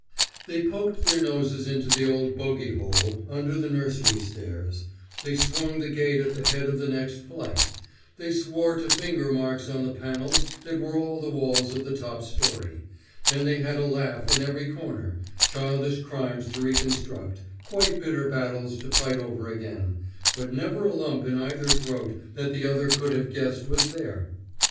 They poked their noses into the old bogy hole under the nursery stairs; they swung the gate at the head of the next flight; they swore to finger marks on the panels that were all the walls of the top story, and they had a laugh in every corner, childish crimes to reconstruct, quite bitter battles to fight over again, but never a lump in either throat that the other could have guessed was there.